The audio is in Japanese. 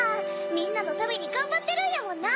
みんなのためにがんばってるんやもんな！